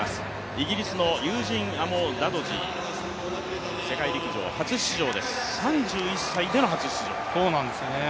イギリスのユージーン・アモダドジー、世界陸上初出場です、３１歳での初出場。